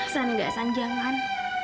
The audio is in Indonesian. san enggak san jangan